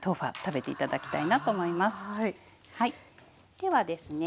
ではですね